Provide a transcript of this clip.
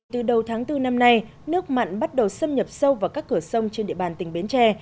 từ đầu tháng bốn năm nay nước mặn bắt đầu xâm nhập sâu vào các cửa sông trên địa bàn tỉnh bến tre